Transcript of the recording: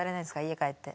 家帰って。